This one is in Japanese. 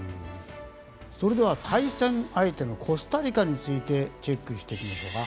それでは対戦相手のコスタリカについてチェックしていきましょうか。